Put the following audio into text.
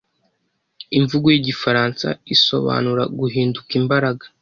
imvugo yigifaransa isobanura guhinduka imbaraga